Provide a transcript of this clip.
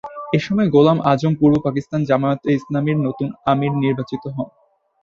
এসময় গোলাম আজম পূর্ব পাকিস্তান জামায়াতে ইসলামীর নতুন আমির নির্বাচিত হন।